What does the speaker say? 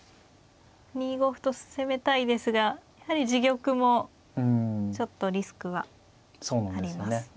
２五歩と攻めたいですがやはり自玉もちょっとリスクはありますね。